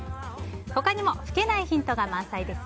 他にも老けないヒントが満載です。